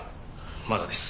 まだです。